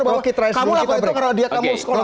kamu lakukan itu karena dia kamu sekolah